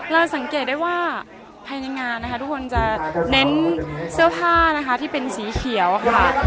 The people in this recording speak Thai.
สังเกตได้ว่าภายในงานนะคะทุกคนจะเน้นเสื้อผ้านะคะที่เป็นสีเขียวค่ะ